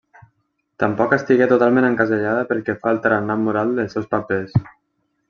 Tampoc estigué totalment encasellada pel que fa al tarannà moral dels seus papers.